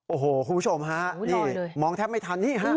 โอ้โหคุณผู้ชมฮะนี่รอยเลยนี่มองแทบไม่ทันนี่ฮะ